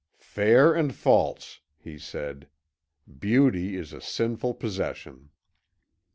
"Fair and false," he said. "Beauty is a sinful possession."